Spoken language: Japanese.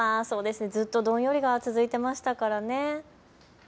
ずっとどんよりが続いていましたからね。